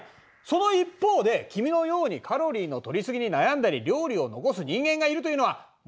その一方で君のようにカロリーのとり過ぎに悩んだり料理を残す人間がいるというのは問題だと思わんかね。